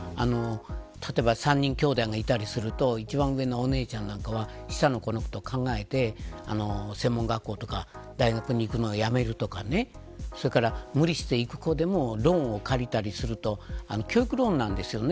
例えば３人きょうだいがいたりすると一番上のお姉ちゃんは下の子のことを考えて専門学校とか大学に行くのをやめるとかそれから無理して行く子でもローンを借りたりすると教育ローンなんですよね。